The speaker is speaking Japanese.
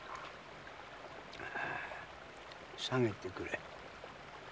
下げてくれ。